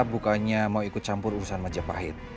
bukannya mau ikut campur urusan majapahit